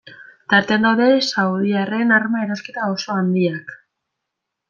Tartean daude saudiarren arma erosketa oso handiak.